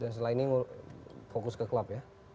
dan setelah ini fokus ke klub ya